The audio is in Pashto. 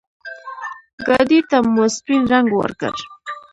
ګاډي ته مو سپين رنګ ورکړ.